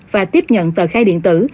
và tiếp nhận tờ khai điện tử